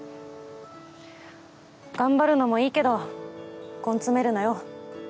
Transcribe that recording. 頑張るのもいいけど根詰めるなよ。